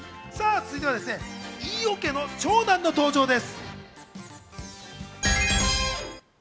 続いては飯尾家の長男の登場です。